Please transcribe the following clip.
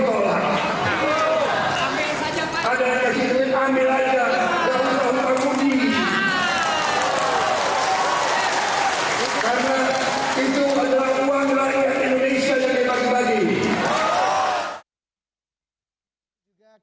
karena itu adalah uang kelargaan indonesia yang kita dibagi bagi